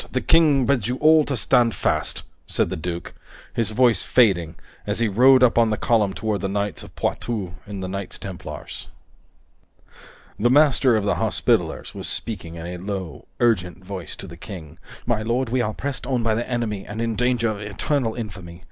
The King bids you all to stand fast," said the duke, his voice fading as he rode on up the column toward the knights of Poitou and the Knights Templars. The Master of the Hospitallers was speaking in a low, urgent voice to the King: "My lord, we are pressed on by the enemy and in danger of eternal infamy.